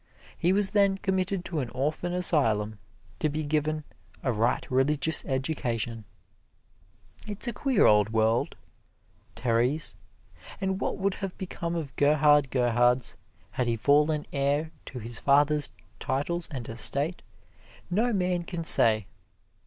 He was then committed to an orphan asylum to be given "a right religious education." It's a queer old world, Terese, and what would have become of Gerhard Gerhards had he fallen heir to his father's titles and estate, no man can say.